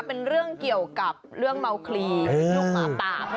เป็นเรื่องเกี่ยวกับเรื่องเมาคลีเป็นลูกหมาปาก